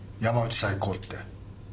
「山内最高」って。